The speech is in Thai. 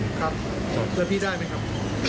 แล้วพี่ได้ไหมครับ